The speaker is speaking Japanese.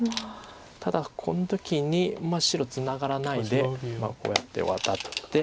ただこの時に白ツナがらないでこうやってワタって。